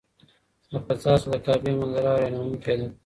د فضا څخه د کعبې منظره حیرانوونکې ده.